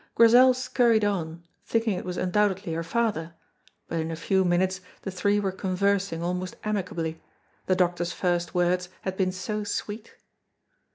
Grizel scurried on, thinking it was undoubtedly her father, but in a few minutes the three were conversing almost amicably, the doctor's first words had been so "sweet."